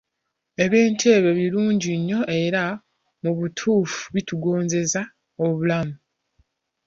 Ebintu ebyo birungi nnyo era mu butuufu bitungozeza obulamu.